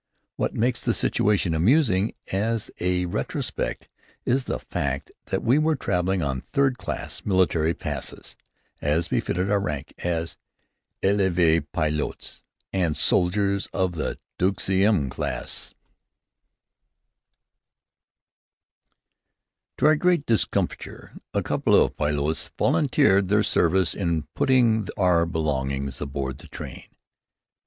What makes the situation amusing as a retrospect is the fact that we were traveling on third class military passes, as befitted our rank as élève pilotes and soldiers of the deuxième classe. To our great discomfiture, a couple of poilus volunteered their services in putting our belongings aboard the train.